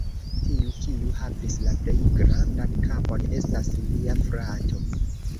Tiu, kiu havis la plej grandan kapon, estas mia frato.